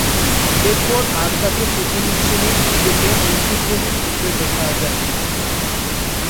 এরপর আর তাকে প্রথম-শ্রেণীর ক্রিকেটে অংশগ্রহণ করতে দেখা যায়নি।